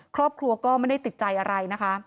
ครอบครัวก็ไม่ได้ติดใจอะไรนะคะ